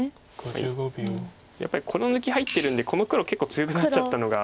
やっぱりこの抜き入ってるのでこの黒結構強くなっちゃったのが。